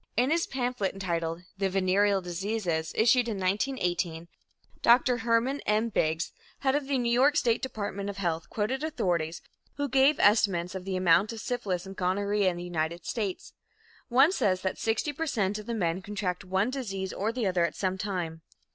In his pamphlet entitled "The Venereal Diseases," issued in 1918, Dr. Hermann M. Biggs head of the New York State Department of Health quoted authorities who gave estimates of the amount of syphilis and gonorrhea in the United States. One says that 60 per cent of the men contract one disease or the other at some time.